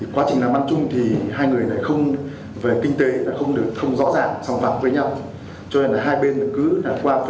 quá trình làm ăn chung thì hai người về kinh tế không rõ ràng xong phạm với nhau cho nên là hai bên cứ đạt quan với nhau